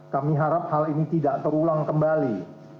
kami harap hal ini tidak terulang kembali